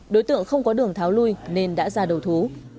đối tượng không có đường tháo lui nên đã ra đầu thú